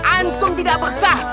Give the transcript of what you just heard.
antum tidak berkah